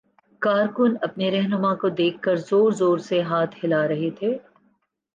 کارکن اپنے راہنما کو دیکھ کر زور زور سے ہاتھ ہلا رہے تھے